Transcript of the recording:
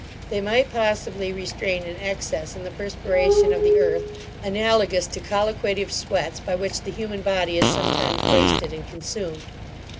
They might possibly restrain an excess in the perspiration of the earth, analogous to colliquative sweats, by which the human body is sometimes wasted and consumed.